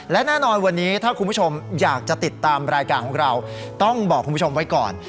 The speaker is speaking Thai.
และแน่นอนวันนี้ถ้าคุณผู้ชมอยากจะติดตามรายการของเราต้องบอกคุณผู้ชมไว้ก่อน